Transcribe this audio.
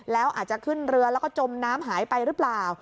แล้วอาจจะขึ้นเรือแล้วก็จมน้ำหายไปหรือเปล่า